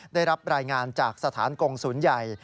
ได้รับรายงานจากสถานกงศูนย์ใหญ่